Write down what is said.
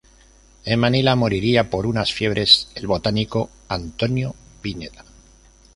En Manila moriría por unas fiebres el botánico Antonio Pineda.